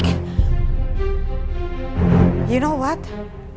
kamu tahu apa